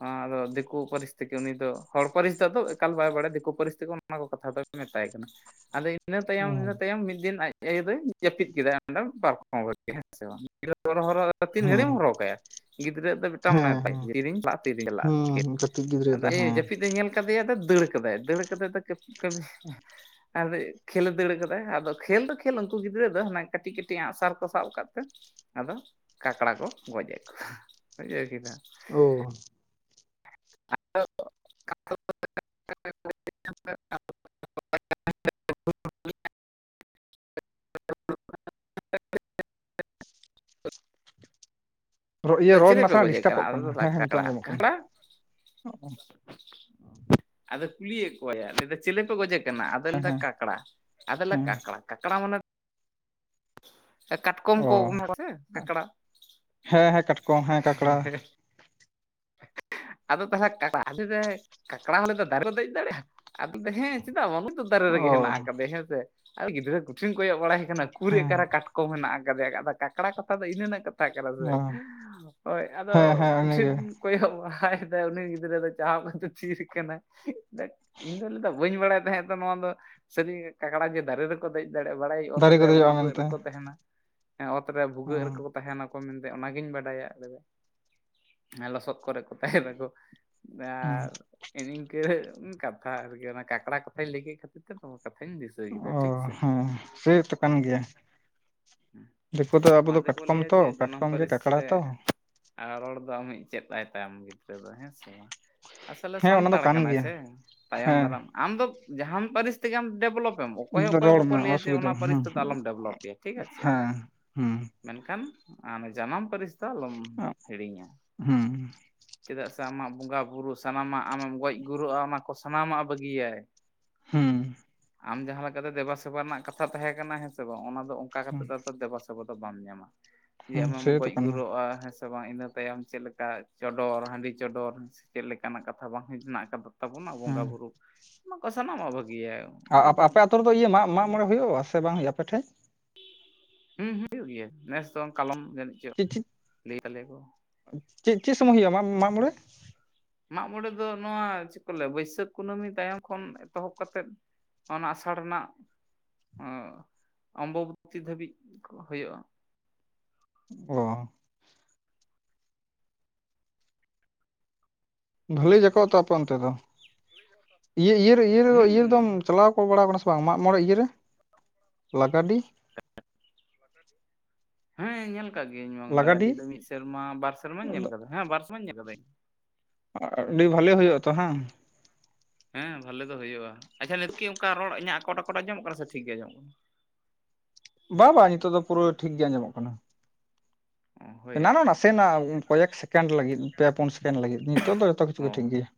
Speaker 2: ᱦᱚᱸ ᱟᱫᱚ ᱫᱤᱠᱩ ᱯᱟᱨᱤᱥ ᱛᱮᱜᱮ ᱩᱱᱤ ᱫᱚ ᱦᱚᱲ ᱯᱟᱨᱤᱥ ᱫᱚ ᱟᱫᱚ ᱮᱠᱟᱞ ᱵᱟᱭ ᱵᱟᱲᱟᱭᱟ ᱫᱤᱠᱩ ᱯᱟᱨᱤᱥ ᱛᱮᱜᱮ ᱚᱱ ᱚᱱᱟ ᱠᱚ ᱠᱟᱛᱷᱟ ᱫᱚᱭ ᱢᱮᱛᱟᱭ ᱠᱟᱱᱟ ᱟᱫᱚ ᱤᱱᱟᱹ ᱛᱟᱭᱚᱢ ᱤᱱᱟᱹ ᱛᱟᱭᱚᱢ ᱢᱤᱫ ᱫᱤᱱ ᱟᱡ ᱟᱭᱳ ᱫᱚᱭ ᱡᱟᱹᱯᱤᱫ ᱠᱮᱫᱟᱭ ᱚᱸᱰᱮ ᱯᱟᱨᱠᱚᱢ ᱨᱮᱜᱮ ᱦᱮᱸ ᱥᱮ ᱵᱟᱝ [inaudible] ᱛᱤᱱ ᱜᱷᱟᱹᱲᱤᱡ
Speaker 1: ᱦᱮᱸ
Speaker 2: ᱮᱢ ᱦᱚᱨᱦᱚ ᱠᱟᱭᱟ᱾ ᱜᱤᱫᱽᱨᱟᱹ ᱫᱚ
Speaker 1: ᱦᱮᱸ
Speaker 2: ᱢᱤᱫᱴᱟᱝ [inaudible]
Speaker 1: ᱦᱮᱸ
Speaker 2: ᱛᱤᱨᱤᱧ ᱪᱟᱞᱟᱜᱼᱟ ᱛᱤᱨᱤᱧ ᱪᱟᱞᱟᱜᱼᱟ
Speaker 1: ᱦᱩᱸ
Speaker 2: ᱠᱷᱮᱞ
Speaker 1: ᱠᱟᱹᱴᱤᱡ ᱜᱤᱫᱽᱨᱟᱹ ᱫᱚ
Speaker 2: ᱮ
Speaker 1: ᱦᱮᱸ
Speaker 2: ᱡᱟᱹᱯᱤᱫ ᱮ ᱧᱮᱞ ᱠᱟᱫᱮᱟᱭ ᱫᱚ ᱫᱟᱹᱲ ᱠᱟᱫᱟᱭ ᱫᱟᱹᱲ ᱠᱟᱫᱟᱭ ᱟᱫᱚ ᱠᱟᱹᱢᱤ᱾ ᱟᱫᱚ ᱠᱷᱮᱞ ᱮ ᱫᱟᱹᱲ ᱟᱠᱟᱫᱟᱭ ᱟᱫᱚ ᱠᱷᱮᱞ ᱫᱚ ᱠᱷᱮᱞ ᱩᱱᱠᱩ ᱜᱤᱫᱽᱨᱟᱹ ᱫᱚ ᱦᱟᱸᱜ ᱠᱟᱹᱴᱤᱡ ᱠᱟᱹᱴᱤᱡ ᱟᱸᱜ ᱥᱟᱨ ᱠᱚ ᱥᱟᱵ ᱟᱠᱟᱫ ᱛᱮ ᱟᱫᱚ ᱠᱟᱠᱲᱟ ᱠᱚ ᱜᱚᱡᱮᱫ ᱠᱚᱣᱟ, ᱵᱩᱡᱷᱟᱹᱣ ᱠᱮᱫᱟᱢ᱾
Speaker 1: ᱳ᱾
Speaker 2: [inaudible] [inaudible] [inaudible]
Speaker 1: ᱨᱚ ᱤᱭᱟᱹ
Speaker 2: ᱞᱟᱹᱭ ᱫᱟᱭ
Speaker 1: ᱨᱚᱲ
Speaker 2: ᱪᱤᱞᱤᱯᱮ
Speaker 1: ᱱᱟᱥᱮᱱᱟᱜ
Speaker 2: ᱜᱚᱡᱮ ᱠᱟᱱᱟ
Speaker 1: ᱰᱤᱥᱴᱟᱵᱚᱜ
Speaker 2: ᱟᱫᱚ [inaudible]
Speaker 1: ᱦᱮᱸ ᱦᱮᱸ ᱱᱤᱛᱚᱜ
Speaker 2: ᱠᱟᱠᱲᱟ,
Speaker 1: ᱟᱸᱡᱚᱢᱚᱜ ᱠᱟᱱᱟ
Speaker 2: ᱠᱟᱠᱲᱟ? ᱟᱫᱚ ᱠᱩᱞᱤᱭᱮᱫ ᱠᱚᱣᱟᱭᱟ ᱞᱟ. ᱭᱫᱚ ᱪᱮᱞᱮ ᱯᱮ ᱜᱚᱡᱮᱫ ᱠᱟᱱᱟ ᱟᱫᱚ ᱞᱟᱸᱭᱫᱟ ᱠᱟᱠᱲᱟ ᱟᱫᱚ ᱞᱟᱹᱭᱫᱟ
Speaker 1: ᱦᱮᱸ
Speaker 2: ᱠᱟᱠᱲᱟ, ᱠᱟᱠᱲᱟ ᱢᱟᱱᱮ ᱠᱟᱴᱠᱚᱢ
Speaker 1: ᱚ
Speaker 2: ᱠᱚ [inaudible] ᱥᱮ ᱠᱟᱠᱲᱟ
Speaker 1: ᱦᱮᱸ ᱦᱮᱸ ᱠᱟᱴᱠᱚᱢ ᱦᱮᱸ ᱠᱟᱠᱲᱟ
Speaker 2: ᱟᱫᱚ ᱛᱟᱦᱚᱞᱮ ᱠᱟᱠᱲᱟ ᱟᱫᱚ ᱞᱟᱹᱭᱫᱟ ᱠᱟᱠᱲᱟ ᱦᱚᱸ ᱞᱟᱹᱭᱫᱟ ᱫᱟᱨᱮ ᱠᱚ ᱫᱮᱡᱽ ᱫᱟᱲᱮᱭᱟᱜᱼᱟ [inaudible] ᱦᱮᱸ᱾ ᱪᱮᱫᱟᱜ ᱵᱟᱝ ᱱᱚᱜ-ᱚᱭ ᱛᱚ ᱫᱟᱨᱮ ᱨᱮᱜᱮ ᱦᱮᱱᱟᱜ
Speaker 1: ᱚ
Speaker 2: ᱟᱠᱟᱫᱮᱭᱟ ᱦᱮᱸ ᱥᱮ? ᱟᱨ ᱜᱤᱫᱽᱨᱟᱹ ᱠᱚᱴᱷᱤᱱ ᱠᱚᱭᱚᱜ ᱵᱟᱲᱟᱭᱮ ᱠᱟᱱᱟ ᱩᱠᱩᱨᱭᱟ
Speaker 1: ᱦᱮᱸ
Speaker 2: ᱚᱠᱟᱨᱮ ᱠᱟᱴ ᱠᱚᱢ ᱦᱮᱱᱟᱜ ᱟᱠᱟᱫᱮᱭᱟᱫᱚ ᱟᱫᱚ ᱠᱟᱠᱲᱟ ᱠᱟᱛᱷᱟ ᱫᱚ ᱤᱱᱟᱹ ᱤᱱᱟᱹ ᱴᱟᱜ ᱠᱟᱱᱟ ᱥᱮ,
Speaker 1: ᱚ
Speaker 2: ᱦᱳᱭ ᱟᱫᱚ
Speaker 1: ᱦᱮᱸ ᱦᱮᱸ
Speaker 2: ᱠᱩᱴᱦᱤᱱ
Speaker 1: ᱩᱱᱤᱜᱮ
Speaker 2: ᱠᱚᱭᱚᱜ ᱵᱟᱦᱟᱭᱮᱫᱟᱭ ᱩᱱᱤ ᱜᱤᱫᱽᱨᱟᱹ ᱫᱚ ᱪᱟᱦᱟᱵ ᱠᱟᱛᱮᱫ ᱛᱦᱤᱨ ᱠᱟᱱᱟᱭ᱾ ᱤᱧ ᱫᱚ ᱞᱟᱹᱭᱫᱟ ᱵᱟᱹᱧ ᱵᱟᱲᱟᱭ ᱛᱟᱦᱮᱸ ᱛᱚ ᱱᱚᱣᱟ ᱫᱚ ᱥᱟᱹᱨᱤ ᱜᱮ ᱠᱟᱠᱲᱟ ᱡᱮ ᱫᱟᱨᱮ ᱨᱮ ᱠᱚ ᱫᱮᱡ ᱫᱟᱲᱮᱭᱟᱜᱼᱟ ᱵᱟᱲᱟᱭᱟᱹᱧ ᱚᱛ
Speaker 1: ᱫᱟᱨᱮ ᱠᱚ
Speaker 2: ᱨᱮ
Speaker 1: ᱫᱮᱡᱚᱜᱼᱟ
Speaker 2: ᱵᱷᱩᱜᱟᱹᱜ
Speaker 1: ᱢᱮᱱᱛᱮ
Speaker 2: ᱨᱮᱠᱚ ᱛᱟᱦᱮᱱᱟ ᱚᱛ ᱨᱮ
Speaker 1: ᱚ
Speaker 2: ᱵᱷᱩᱜᱟᱹᱜ ᱨᱮᱠᱚ ᱛᱟᱦᱮᱱᱟᱠᱚ ᱢᱮᱱᱛᱮ ᱚᱱᱟᱜᱤᱧ ᱵᱟᱰᱟᱭᱟ, ᱞᱚᱥᱚᱫ ᱠᱚᱨᱮ ᱠᱚ ᱛᱟᱦᱮᱸᱱᱟᱠᱚ᱾
Speaker 1: ᱦᱩᱸ
Speaker 2: ᱟᱨ ᱦᱮᱸᱜ-ᱮ ᱱᱤᱝᱠᱟᱹ ᱠᱟᱛᱷᱟ ᱟᱨᱠᱤ ᱚᱱᱟ ᱠᱟᱠᱲᱟ ᱠᱟᱛᱷᱟᱧ ᱞᱟᱹᱭ ᱠᱮᱫ ᱠᱷᱟᱹᱛᱤᱨ ᱛᱮ ᱱᱚᱣᱟ ᱠᱟᱛᱷᱟᱧ ᱫᱤᱥ
Speaker 1: ᱚ ᱦᱮᱸ ᱥᱮᱛᱚ ᱠᱟᱱ ᱜᱮᱭᱟ᱾ ᱫᱤᱠᱩ ᱫᱚ ᱟᱵᱚ
Speaker 2: ᱚᱱᱟ
Speaker 1: ᱫᱚ
Speaker 2: ᱛᱮᱠᱚ
Speaker 1: ᱠᱟᱴᱠᱚᱢ
Speaker 2: ᱞᱟᱹᱭᱟ
Speaker 1: ᱛᱚ ᱠᱟᱴᱠᱚᱢ ᱜᱮ ᱠᱟᱠᱲᱟ ᱛᱚ᱾
Speaker 2: ᱟᱨ ᱨᱚᱲ ᱫᱚ ᱟᱢᱤᱡ ᱪᱮᱫ ᱛᱟᱭ ᱛᱟᱭᱚᱢ ᱜᱤᱫᱽᱨᱟᱹ ᱫᱚ ᱦᱮᱸ ᱥᱮ ᱵᱟᱝ? ᱟᱥᱚᱞᱮ
Speaker 1: ᱦᱮᱸ ᱚᱱᱟ ᱫᱚ
Speaker 2: ᱥᱟᱱᱛᱟᱲ
Speaker 1: ᱠᱟᱱ
Speaker 2: ᱠᱟᱱᱟᱭ
Speaker 1: ᱜᱮᱭᱟ
Speaker 2: ᱥᱮ ᱛᱟᱭᱚᱢ
Speaker 1: ᱦᱮᱸ
Speaker 2: ᱫᱟᱨᱟᱢ ᱟᱢ ᱫᱚ ᱡᱟᱦᱟᱱ ᱯᱟᱹᱨᱤᱥ ᱛᱮᱜᱮᱢ ᱰᱮᱵᱷᱞᱚᱯ ᱚᱠᱚᱭ ᱦᱚᱸ ᱚᱠᱚᱭ
Speaker 1: ᱨᱚᱲ
Speaker 2: ᱵᱟᱠᱚ
Speaker 1: ᱢᱮ
Speaker 2: ᱞᱟᱹᱭᱟ ᱡᱮ
Speaker 1: ᱚᱥᱩᱵᱤᱫᱷᱟ
Speaker 2: ᱚᱱᱟ ᱯᱟᱹᱨᱤᱥ
Speaker 1: ᱦᱮᱸ
Speaker 2: ᱛᱮᱫᱚ ᱟᱞᱚᱢ ᱰᱮᱵᱷᱞᱚᱯᱮᱭᱟ ᱴᱷᱤᱠ ᱟᱪᱷᱮ᱾
Speaker 1: ᱦᱮᱸ ᱦᱩᱸ
Speaker 2: ᱢᱮᱱᱠᱷᱟᱱ ᱟᱢ ᱡᱟᱱᱟᱢ ᱯᱟᱹᱨᱤᱥ ᱫᱚ ᱟᱞᱚᱢ ᱦᱤᱲᱤᱧᱟ᱾
Speaker 1: ᱦᱩᱸ᱾
Speaker 2: ᱪᱮᱫᱟᱜ ᱥᱮ ᱟᱢᱟᱜ ᱵᱚᱸᱜᱟ ᱵᱩᱨᱩ ᱥᱟᱱᱟᱢᱟᱜ ᱟᱢᱮᱢ ᱜᱚᱡ ᱜᱩᱨᱩᱜᱼᱟ ᱚᱱᱟ ᱠᱚ ᱥᱟᱱᱟᱢᱟᱜ-ᱮ ᱵᱟᱹᱜᱤᱭᱟᱭ᱾
Speaker 1: ᱦᱩᱸ᱾
Speaker 2: ᱟᱢ ᱡᱟᱦᱟᱸ ᱞᱮᱠᱟᱛᱮ ᱫᱮᱵᱟ ᱥᱮᱵᱟ ᱨᱮᱱᱟᱜ ᱠᱟᱛᱷᱟ ᱛᱟᱦᱮᱸ ᱠᱟᱱᱟᱱᱟ ᱦᱮᱸ ᱥᱮ ᱵᱟᱝ ᱚᱱᱟ ᱫᱚ ᱚᱱᱠᱟ ᱠᱟᱛᱮ
Speaker 1: ᱦᱩᱸ
Speaker 2: ᱟᱫᱚ ᱫᱮᱵᱟ ᱥᱮᱵᱟ ᱥᱮᱵᱟ ᱫᱚ ᱵᱟᱢ ᱧᱟᱢᱟ ᱫᱤᱭᱮ
Speaker 1: ᱦᱩᱸ
Speaker 2: ᱟᱢᱮᱢ
Speaker 1: ᱥᱮᱛᱚ
Speaker 2: ᱜᱚᱡ
Speaker 1: ᱠᱟᱱᱟ
Speaker 2: ᱜᱩᱨᱚᱜᱼᱟ ᱦᱮᱸ ᱥᱮ ᱵᱟᱝ ᱤᱱᱟᱹ ᱛᱟᱭᱚᱢ ᱪᱮᱫ ᱞᱮᱠᱟ ᱪᱚᱰᱚᱨ ᱦᱟᱺᱰᱤ ᱪᱚᱰᱚᱨ ᱥᱮ ᱪᱮᱫ ᱞᱮᱠᱟᱱᱟᱜ ᱠᱟᱛᱷᱟ ᱵᱟᱝ ᱦᱮᱱᱟᱜ ᱟᱠᱟᱫᱟ ᱛᱟᱵᱚᱱᱟ ᱵᱚᱸᱜᱟ
Speaker 1: ᱦᱮᱸ
Speaker 2: ᱵᱩᱨᱩ ᱚᱱᱚ ᱠᱚ ᱥᱟᱱᱟᱢᱟᱜ ᱵᱷᱟᱹᱜᱤᱭᱟ
Speaker 1: ᱟᱨ
Speaker 2: ᱩᱱᱤ ᱫᱚ
Speaker 1: ᱟᱯᱮ-ᱟᱯᱮ ᱟᱹᱛᱩ ᱨᱮᱫᱚ ᱤᱭᱟᱹ ᱢᱟᱜ- ᱢᱟᱜ ᱢᱚᱬᱮ ᱦᱩᱭᱩᱜᱼᱟ ᱥᱮ ᱵᱟᱝ ᱦᱩᱭᱩᱜᱼᱟ ᱟᱯᱮᱴᱷᱮᱡ
Speaker 2: ᱦᱮᱸ ᱦᱩᱸ ᱦᱩᱭᱩᱜ ᱜᱮᱭᱟ ᱱᱮᱥ ᱫᱚ ᱠᱟᱞᱚᱢ ᱡᱟᱹᱱᱤᱡ ᱪᱚ ᱞᱟᱹᱭ ᱠᱟᱜ ᱞᱮᱭᱟ ᱠᱚ
Speaker 1: ᱪᱮᱫ-ᱪᱮᱫ ᱥᱚᱢᱚᱭ ᱦᱩᱭᱩᱜᱼᱟ ᱢᱟᱜ ᱢᱚᱬᱮ?
Speaker 2: ᱢᱟᱜᱢᱚᱬᱮ ᱫᱚ ᱱᱚᱣᱟ ᱪᱮᱫ ᱠᱚ ᱞᱟᱹᱭᱟ ᱵᱟᱹᱭᱥᱟᱹᱠᱷ ᱠᱩᱱᱟᱹᱢᱤ ᱛᱟᱭᱚᱢ ᱠᱷᱚᱱ ᱮᱛᱚᱦᱚᱵ ᱠᱟᱛᱮᱫ ᱚᱱᱟ ᱟᱥᱟᱲ ᱨᱮᱱᱟᱜ ᱚᱢᱵᱚᱵᱤ ᱫᱷᱟᱹᱵᱤᱡ ᱦᱩᱭᱩᱜᱼᱟ᱾
Speaker 1: ᱚ ᱵᱷᱟᱹᱞᱞᱤ
Speaker 2: ᱦᱮᱸᱥᱮ
Speaker 1: ᱡᱟᱠᱟᱵ ᱛᱟᱯᱮ ᱚᱱᱛᱮ ᱫᱚ ᱤᱭᱟᱹ-ᱤᱭᱟᱹ
Speaker 2: ᱦᱩᱸ
Speaker 1: ᱨᱮᱫᱚᱢ ᱪᱟᱞᱟᱣ ᱠᱚ ᱵᱟᱲᱟ ᱠᱟᱱᱟ ᱵᱟᱝ ᱢᱟᱜ ᱢᱚᱬᱮ ᱤᱭᱟᱹᱨᱮ ᱞᱟᱜᱟᱰᱤ
Speaker 2: ᱵᱟᱝ ᱟᱸᱡᱚᱢ ᱴᱷᱤᱠᱟᱹᱜ ᱠᱟᱱᱟ ᱦᱮᱸ ᱧᱮᱞ ᱟᱠᱟᱫ ᱜᱤᱭᱟᱹᱧ ᱵᱟ ᱞᱟᱜᱟᱰᱤ ᱫᱚ ᱢᱤᱫ ᱥᱮᱨᱢᱟ ᱵᱟᱨ ᱥᱮᱨᱢᱟᱧ ᱧᱮᱞ ᱟᱠᱟᱫᱟ-ᱦᱮᱸ ᱵᱟᱨ ᱥᱮᱨᱢᱟᱧ ᱧᱮᱞ ᱟᱠᱟᱫᱟᱹᱧ
Speaker 1: ᱟᱹᱰᱤ ᱵᱷᱟᱞᱮ ᱦᱩᱭᱩᱜ ᱟᱛᱚ ᱦᱮᱸ
Speaker 2: ᱦᱮᱸ ᱵᱷᱟᱞᱮ ᱫᱚ ᱦᱩᱭᱩᱜᱼᱟ ᱟᱪᱷᱟ ᱱᱤᱛᱠᱤ ᱚᱱᱠᱟ ᱨᱚᱲ ᱤᱧᱟᱹᱜ ᱟᱠᱚᱴ- ᱟᱠᱚᱴ ᱟᱡᱚᱢᱚᱜ ᱠᱟᱱᱟ ᱥᱮ ᱴᱷᱤᱠ ᱜᱮ ᱟᱸᱢᱚᱜ ᱠᱟᱱᱟ?
Speaker 1: ᱵᱟ-ᱵᱟᱝ ᱱᱤᱛᱚᱜ ᱫᱚ ᱯᱩᱨᱟᱹ ᱴᱷᱤᱠ ᱜᱮ ᱟᱸᱡᱟᱢᱚᱜ ᱠᱟᱱᱟ᱾
Speaker 2: ᱠᱟᱱᱟ ᱦᱳᱭ
Speaker 1: ᱮᱱᱟ ᱱᱟ
Speaker 2: ᱟᱨᱠᱤ
Speaker 1: ᱱᱟᱥᱮᱱᱟᱜ ᱠᱚᱭᱮᱠ ᱥᱮᱠᱮᱱᱰ ᱞᱟᱹᱜᱤᱫ ᱯᱮ, ᱯᱩᱱ ᱥᱮᱠᱮᱱᱰ ᱞᱟᱹᱜᱤᱫ ᱱᱤᱛᱚᱜ ᱫᱚ ᱡᱚᱛᱚ ᱠᱤᱪᱷᱩ
Speaker 2: ᱚ
Speaker 1: ᱜᱮ ᱴᱷᱤᱠ ᱜᱮᱭᱟ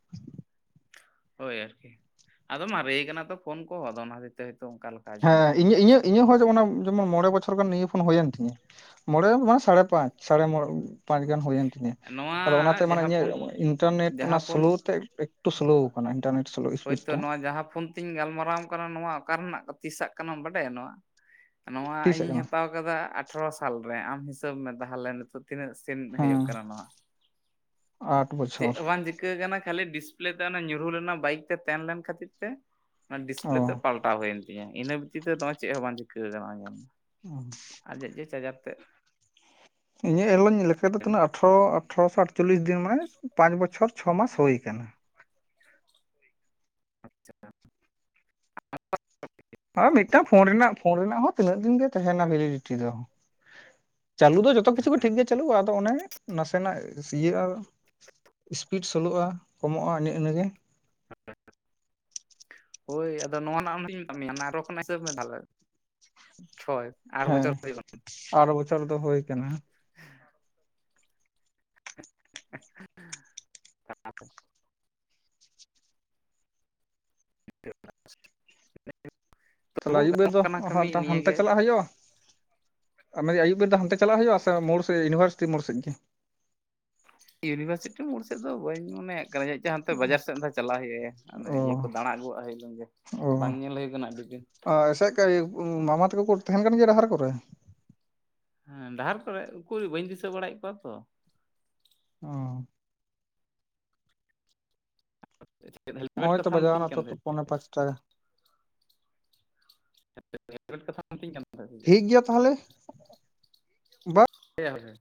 Speaker 2: ᱦᱳᱭ ᱟᱨᱠᱤ ᱟᱫᱚ ᱢᱟᱨᱮ ᱟᱠᱟᱱᱟ ᱛᱚ ᱯᱷᱳᱱ ᱠᱚᱦᱚᱸ ᱟᱫᱚ ᱚᱱᱟ ᱫᱤᱛᱮ ᱚᱠᱟ
Speaker 1: ᱦᱮᱸ ᱤᱧ ᱤᱧᱟᱹᱜ-ᱤᱧᱟᱹᱜ ᱦᱚᱸ ᱡ ᱡᱮᱢᱚᱱ ᱢᱚᱬᱮ ᱵᱚᱪᱷᱚᱨ ᱜᱟᱱ ᱱᱤᱭᱟᱹ ᱯᱷᱳᱱ ᱦᱩᱭᱮᱱ ᱛᱤᱧᱟᱹ ᱢᱚᱬᱮ ᱢᱟᱥ ᱥᱟᱲᱮ ᱯᱟᱸᱪ ᱥᱟᱲᱮ ᱢᱚᱬ ᱯᱟᱸᱪ ᱜᱟᱱ ᱦᱩᱭᱮᱱ ᱛᱤᱧᱟ
Speaker 2: ᱱᱚᱣᱟ
Speaker 1: ᱟᱫᱚ ᱚᱱᱟᱛᱮ ᱢᱟᱱᱮ
Speaker 2: ᱡᱟᱦᱟᱸ
Speaker 1: ᱤᱧᱟᱹᱜ
Speaker 2: ᱯᱷᱳᱱ
Speaker 1: ᱤᱱᱴᱟᱨᱱᱮᱴ ᱚᱱᱟ
Speaker 2: ᱡᱟᱦᱟᱸ ᱯᱷᱳᱱ
Speaker 1: ᱥᱞᱳ ᱛᱮ ᱮᱠᱴᱩ ᱥᱞᱳ ᱟᱠᱟᱱᱟ ᱤᱱᱴᱟᱨᱱᱮᱴᱞᱳ
Speaker 2: ᱦᱳᱭᱛᱳ ᱱᱚᱣᱟ ᱡᱟᱦᱟᱸ ᱯᱷᱳᱱ ᱛᱤᱧ ᱜᱟᱞᱢᱟᱨᱟᱣ ᱣᱟᱢ ᱠᱟᱱᱟ ᱱᱚᱣᱟ ᱚᱠᱟ ᱨᱮᱱᱟᱜ ᱛᱤᱥᱟᱜ ᱠᱟᱱᱟᱢ ᱵᱟᱰᱟᱭᱟ ᱱᱚᱣᱟ? ᱱᱚᱣᱟ
Speaker 1: ᱛᱤᱥᱟᱜ
Speaker 2: ᱤᱧᱤᱧ
Speaker 1: ᱠᱟᱱᱟ
Speaker 2: ᱦᱟᱛᱟᱣ ᱠᱟᱫᱟ ᱟᱴᱷᱨᱚ ᱥᱟᱞ ᱨᱮ ᱟᱢ ᱦᱤᱥᱟᱹᱵᱽ ᱢᱮ ᱛᱟᱦᱚᱞᱮ ᱱᱤᱛᱳ ᱛᱤᱱᱟᱹᱜ ᱥᱮᱱ
Speaker 1: ᱦᱮᱸ
Speaker 2: ᱦᱩᱭᱩᱜ ᱠᱟᱱᱟ ᱱᱚᱣᱟ
Speaker 1: ᱟᱴ
Speaker 2: ᱪᱮᱫ
Speaker 1: ᱵᱚᱪᱷᱚᱨ
Speaker 2: ᱚᱣᱟᱱ ᱡ ᱪᱤᱠᱟᱹ ᱠᱟᱱᱟ ᱠᱷᱟᱹᱞᱤ ᱰᱤᱥᱯᱞᱮ ᱛᱮ ᱚᱱᱟ ᱧᱩᱨᱦᱩ ᱞᱮᱱᱟ ᱵᱟᱭᱤᱠ ᱛᱮ ᱛᱟᱦᱮᱸᱱ ᱞᱮᱱ ᱠᱷᱟᱹᱛᱤᱨ ᱛᱮ ᱚᱱᱟ ᱰᱤᱥᱯᱞᱮ ᱛᱮ
Speaker 1: ᱚ
Speaker 2: ᱯᱟᱞᱴᱟᱣ ᱦᱩᱭᱮᱱ ᱛᱤᱧᱟᱹ ᱤᱱᱟᱹ ᱵᱷᱤᱛᱤᱨ ᱛᱮ ᱱᱚᱚᱭ ᱪᱮᱫ ᱦᱚᱸ ᱵᱟᱝ ᱪᱤᱠᱟᱹ ᱠᱟᱱᱟ ᱱᱚᱚᱭ ᱞᱮᱞᱢᱮ
Speaker 1: ᱚᱸ
Speaker 2: ᱟᱡᱟᱜ ᱡᱮ ᱪᱟᱡᱟᱨ ᱛᱮᱫ
Speaker 1: ᱧᱮᱞᱚᱧ ᱞᱮᱠᱟᱛᱮ ᱛᱱᱟᱹᱜ ᱟᱴᱷᱮᱨᱚ ᱟᱴᱷᱮᱨᱚᱥᱚ ᱟᱴᱪᱚᱞᱞᱤᱥ ᱫᱤᱱ ᱢᱟᱱᱮ ᱯᱟᱸᱪ ᱵᱚᱪᱷᱚᱨ ᱪᱷᱚ ᱢᱟᱥ ᱦᱩᱭ ᱟᱠᱟᱱᱟ
Speaker 2: ᱟᱪᱷᱟ
Speaker 1: ᱟᱨ ᱢᱤᱫᱴᱟᱝ ᱯᱷᱳᱱ ᱨᱮᱱᱟᱜ-ᱯᱷᱳᱱ ᱨᱮᱱᱟᱜ ᱦᱚᱸ ᱛᱤᱱᱟᱹᱜ ᱫᱤᱱ ᱜᱮ ᱛᱟᱦᱮᱱᱟ ᱵᱷᱮᱞᱤᱰᱤᱴᱤ ᱫᱚ ᱪᱟᱹᱞᱩ ᱫᱚ ᱡᱚᱛᱚ ᱠᱤᱷᱩ ᱜᱮ ᱴᱷᱤᱠ ᱜᱮᱭᱟ ᱪᱟᱹᱞᱩᱼᱟ ᱟᱫᱚ ᱚᱱᱮ ᱱᱟᱥᱮᱱᱟᱜ ᱤᱭᱟᱹᱜᱼᱟ ᱤᱥᱯᱤᱰ ᱥᱳᱞᱳᱼᱟ, ᱠᱚᱢᱚᱜᱼᱟ ᱤᱱᱮ-ᱤᱱᱟᱹᱜᱮ
Speaker 2: ᱵᱟᱝ ᱟᱸᱡᱚᱢ ᱴᱷᱤᱠᱟᱹᱜ ᱠᱟᱱᱟ ᱦᱳᱭ ᱟᱫᱚ ᱱᱚᱣᱟ ᱨᱮᱱᱟᱜᱦᱚᱧ ᱢᱮᱛᱟᱫ ᱢᱮᱭᱟ ᱟᱨᱚ ᱠᱷᱚ ᱦᱤᱥᱟᱹᱵ ᱢᱮ ᱛᱟᱦᱚᱞᱮ ᱪᱷᱚᱭ ᱟᱴ
Speaker 1: ᱦᱮᱸ
Speaker 2: ᱵᱚᱪᱷᱚᱨ
Speaker 1: ᱟᱨ ᱵᱚᱪᱷᱚᱨ ᱫᱚ ᱦᱩᱭᱳ ᱠᱟᱱᱟ
Speaker 2: ᱵᱟᱝ ᱟᱸᱡᱚᱢ ᱴᱷᱤᱠᱟᱹᱜ ᱠᱟᱱᱟ ᱵᱟᱝ ᱟᱸᱡᱚᱢ ᱴᱷᱤᱠᱟᱹᱜ ᱠᱟᱱᱟ ᱵᱟᱝ ᱟᱸᱡᱚᱢ ᱴᱷᱤᱠᱟᱹᱜ ᱠᱟᱱᱟ
Speaker 1: ᱛᱟᱦᱞᱮ ᱟᱹᱭᱩᱵ ᱵᱮ ᱫᱚ
Speaker 2: ᱠᱟᱹᱢᱤ
Speaker 1: ᱦᱟᱱᱛᱮ- ᱦᱟᱱᱛᱮ
Speaker 2: ᱱᱤᱭᱟᱹᱜᱮ
Speaker 1: ᱪᱟᱞᱟᱜ ᱦᱩᱭᱩᱜᱼᱟ᱾ ᱟ ᱢᱮᱱ ᱟᱹ ᱟᱭᱩᱵ ᱵᱮᱨ ᱫᱚ ᱦᱟᱱᱛᱮ ᱪᱟᱞᱟᱜ ᱦᱩᱭᱩᱜᱼᱟ ᱢᱚᱲ ᱥᱮᱫ ᱤᱭᱩᱱᱤᱵᱷᱟᱨᱥᱤᱴᱤ ᱢᱚᱲ ᱥᱮᱫ ᱜᱮ?
Speaker 2: ᱭᱩᱱᱤᱵᱷᱟᱨᱥᱤᱴᱤ ᱥᱮᱫ ᱫᱚ ᱵᱟᱹᱧ ᱢᱚᱱᱮᱭᱟ ᱠᱟᱱᱟ ᱾ ᱡᱟᱦᱟᱸᱛᱮ ᱵᱟᱡᱟᱨ ᱥᱮᱫ ᱪᱟᱞᱟᱜ ᱦᱩᱭᱩᱜᱼᱟ
Speaker 1: ᱚ
Speaker 2: ᱤᱭᱟᱹ ᱠᱚ ᱫᱟᱬᱟ ᱟᱹᱜᱩᱣᱟᱜᱼᱟ ᱜᱮ ᱵᱟᱝ ᱧᱮᱞ ᱦᱩᱭ ᱟᱠᱟᱱᱟ ᱟᱹᱰᱤᱜ ᱫᱤᱱ
Speaker 1: ᱪᱮᱫᱞᱮᱠᱟ ᱢᱟᱢᱟ ᱛᱟᱠᱚ ᱠᱚ ᱛᱟᱦᱮᱱ ᱠᱟᱱ ᱜᱮᱭᱟ ᱰᱟᱦᱟᱨ ᱠᱚᱨᱮ
Speaker 2: ᱦᱮᱸ ᱰᱟᱦᱟᱨ ᱠᱚᱨᱮ ᱩᱠᱩᱨ ᱵᱟᱹᱧ ᱫᱤᱥᱟᱹ ᱵᱟᱲᱟᱭᱮᱫ ᱠᱚᱣᱟ ᱛᱚ᱾
Speaker 1: ᱚ
Speaker 2: [inaudible]
Speaker 1: ᱱᱚᱜ-ᱚᱭ ᱛᱚ ᱵᱟᱡᱟᱣ
Speaker 2: ᱢᱤᱛᱟᱹᱧ
Speaker 1: ᱱᱟ
Speaker 2: ᱠᱟᱱ
Speaker 1: ᱛᱚ
Speaker 2: ᱛᱟᱦᱮᱸᱫ
Speaker 1: ᱯᱚᱱᱮ ᱯᱟᱸᱪ ᱴᱟ
Speaker 2: [inaudible] ᱠᱟᱛᱷᱟ
Speaker 1: ᱴᱷᱤᱠ ᱜᱮᱭᱟ ᱛᱟᱦᱚᱞᱮ, ᱵᱟ
Speaker 2: [unintelligible]